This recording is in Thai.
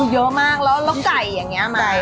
เยอะมากแล้วไก่อย่างเนี่ยมั้ย